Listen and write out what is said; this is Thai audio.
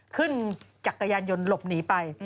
ขึ้นจากกระยานยนต์หลบหนีไป